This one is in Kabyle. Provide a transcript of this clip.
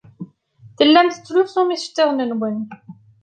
Tellam tettlusum iceḍḍiḍen-nwen.